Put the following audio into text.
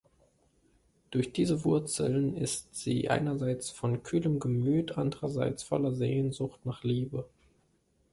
Durch diese Wurzeln ist sie einerseits von kühlem Gemüt, andererseits voller Sehnsucht nach Liebe.